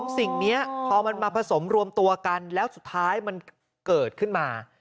สิ่งนี้พอมันมาผสมรวมตัวกันแล้วสุดท้ายมันเกิดขึ้นมา